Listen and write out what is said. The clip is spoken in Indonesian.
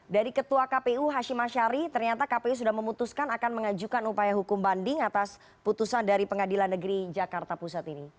dari ketua kpu hashim ashari ternyata kpu sudah memutuskan akan mengajukan upaya hukum banding atas putusan dari pengadilan negeri jakarta pusat ini